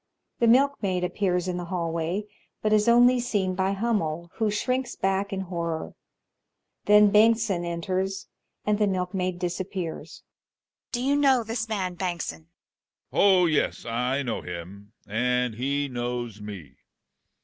The Milkmaid appears in the haUtoay, but is only seen by Hummel, who shrinks back in horror. Then Bengtsson enters, and the Milkmaid disappears. Mummy. Do you know this man, Bengtsson? Benotsson. Oh yes, I know him, and he knows me.